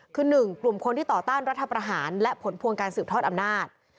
คือ๑กลุ่มคนที่ต่อต้านรัฐประหารและผลพวงการสืบทอดอำนาจ